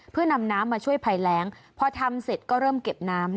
เพื่อนำน้ำมาช่วยภัยแรงพอทำเสร็จก็เริ่มเก็บน้ำ